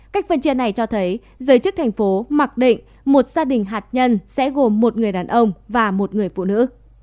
cách phân chia này cho thấy giới chức thành phố mặc định một gia đình hạt nhân sẽ gồm một người đàn ông và một người phụ nữ